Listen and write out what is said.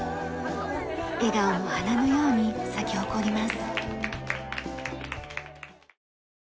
笑顔も花のように咲き誇ります。